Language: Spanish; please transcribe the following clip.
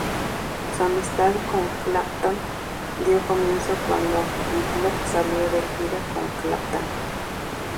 Su amistad con Clapton dio comienzo cuando Whitlock salió de gira con Clapton.